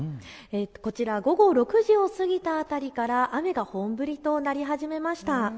こちら午後６時を過ぎた辺りから雨が本降りとなり始めました。